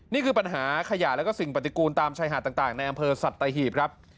นี่คือปัญหาขยะแล้วก็สิ่งปฏิกูลตามชายหาดต่างในอำเภอสัตหีบครับ